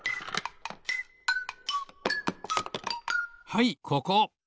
はいここ。